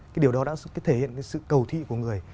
cái điều đó đã thể hiện cái sự cầu thị của người